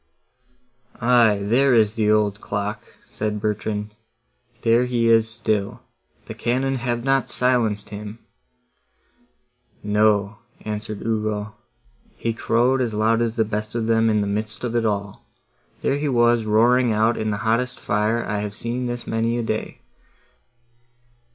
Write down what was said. "Aye, there is the old clock," said Bertrand, "there he is still; the cannon have not silenced him!" "No," answered Ugo, "he crowed as loud as the best of them in the midst of it all. There he was roaring out in the hottest fire I have seen this many a day!